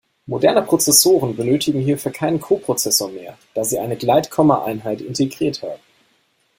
Moderne Prozessoren benötigen hierfür keinen Koprozessor mehr, da sie eine Gleitkommaeinheit integriert haben.